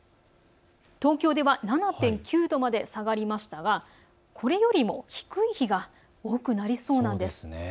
東京では７．９度まで下がりましたがこれよりも低い日が多くなりそうなんです。